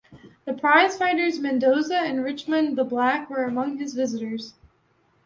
The prize-fighters Mendoza and Richmond the Black were among his visitors.